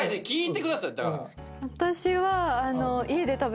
私は。